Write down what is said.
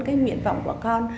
cái nguyện vọng của con